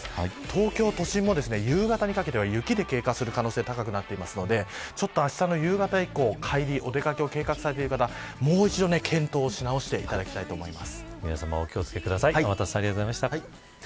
東京都心、夕方にかけて雪で経過する可能性が高くなっているのであしたの夕方以降帰りも、お出掛けを計画されている方も１度検討しなおしてほしいです。